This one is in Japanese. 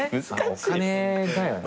お金だよね。